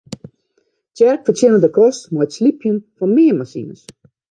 Tsjerk fertsjinne de kost mei it slypjen fan meanmasines.